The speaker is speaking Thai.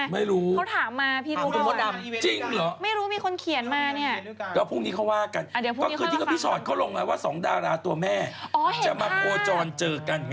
ไม่เห็นหน้าว่าถ่ายไว้เป็นเรื่องหลังคือใคร